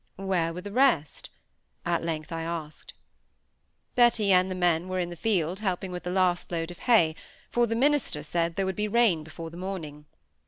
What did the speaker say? "Where were the rest?" at length I asked. Betty and the men were in the field helping with the last load of hay, for the minister said there would be rain before the morning.